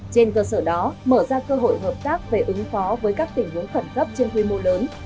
trên cơ sở đó mở ra cơ hội hợp tác về ứng phó với các tình huống khẩn cấp trên quy mô lớn